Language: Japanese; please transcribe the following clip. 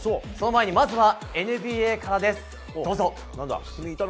その前にまずはＮＢＡからです。